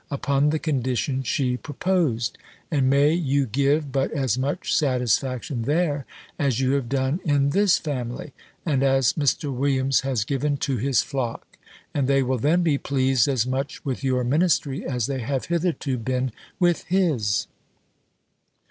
upon the condition she proposed; and may you give but as much satisfaction there, as you have done in this family, and as Mr. Williams has given to his flock; and they will then be pleased as much with your ministry as they have hitherto been with his."